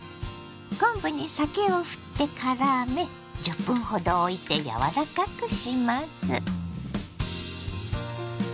昆布に酒をふってからめ１０分ほどおいて柔らかくします。